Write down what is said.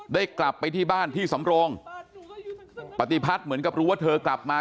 ได้กลับไปที่บ้านที่สำโรงปฏิพัฒน์เหมือนกับรู้ว่าเธอกลับมา